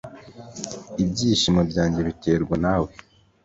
ibyishimo byanjye biterwa nawe